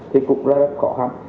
thì cũng rất khó khăn